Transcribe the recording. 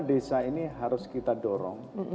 desa ini harus kita dorong